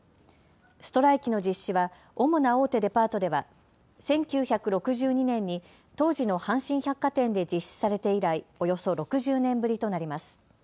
ストライキの実施は主な大手デパートでは１９６２年に当時の阪神百貨店で実施されて以来、およそ６０年ぶりとなります。